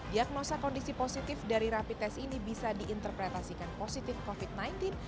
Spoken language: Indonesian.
diagnosa kondisi positif dari rapi tes ini bisa diinterpretasikan positif covid sembilan belas